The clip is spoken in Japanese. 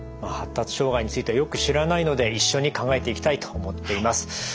発達障害についてはよく知らないので一緒に考えていきたいと思っています。